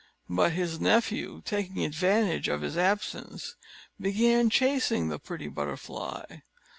But his nephew, taking advantage of his absence, began chasing the pretty butterfly.